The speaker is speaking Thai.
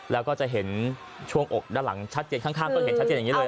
แล้วก็จะเห็นช่วงอกด้านหลังชัดเจนข้างก็เห็นชัดเจนอย่างนี้เลย